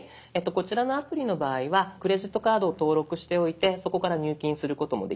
こちらのアプリの場合はクレジットカードを登録しておいてそこから入金することもできます